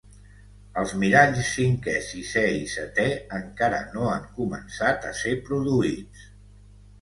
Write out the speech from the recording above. Els miralls cinquè, sisè i setè encara no han començat a ser produïts.